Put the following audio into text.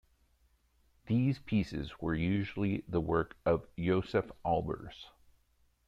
These pieces were usually the work of Josef Albers.